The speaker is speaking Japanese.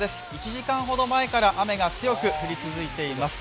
１時間ほど前から雨が強く降り続いています。